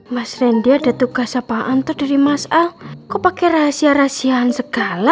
mas rendi ada tugas apaan tuh dari mas al kok pakai rahasia rahasian segala